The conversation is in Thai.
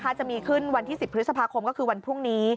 จะมีขึ้นวันที่๑๐พฤษภาคมก็คือวันพรุ่งนี้